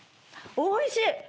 おいしい！